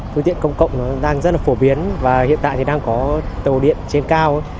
phương tiện công cộng đang rất là phổ biến và hiện tại thì đang có tàu điện trên cao